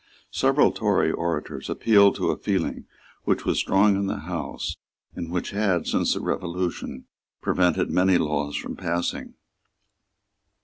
Several Tory orators appealed to a feeling which was strong in the House, and which had, since the Revolution, prevented many laws from passing.